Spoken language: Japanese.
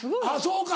そうか。